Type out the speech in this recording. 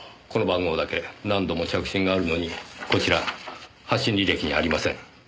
この番号だけ何度も着信があるのにこちら発信履歴にありません。